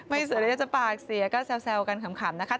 ไม่เสร็จจะปากเสียก็แซวกันขำนะคะ